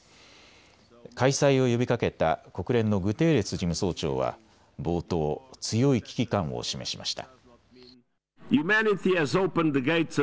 開催を呼びかけた国連のグテーレス事務総長は冒頭、強い危機感を示しました。